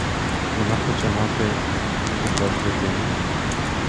Вона хоче мати від вас дитину?